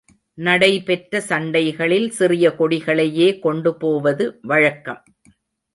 நடைபெற்ற சண்டைகளில் சிறிய கொடிகளையே கொண்டு போவது வழக்கம்.